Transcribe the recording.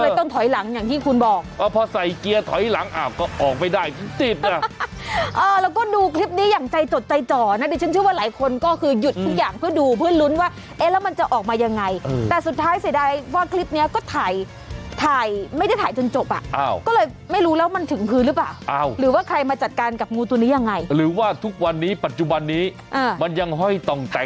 ในท่อมันติดอยู่ในท่อมันติดอยู่ในท่อมันติดอยู่ในท่อมันติดอยู่ในท่อมันติดอยู่ในท่อมันติดอยู่ในท่อมันติดอยู่ในท่อมันติดอยู่ในท่อมันติดอยู่ในท่อมันติดอยู่ในท่อมันติดอยู่ในท่อมันติดอยู่ในท่อมันติดอยู่ในท่อมันติดอยู่ในท่อมันติดอยู่ในท่อมันติดอยู่ในท่อมันติดอยู่